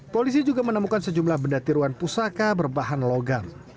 polisi juga menemukan sejumlah benda tiruan pusaka berbahan logam